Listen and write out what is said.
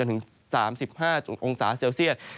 สูงสุดอยู่ที่ประมาณ๓๔๓๕องศาเซลเซียส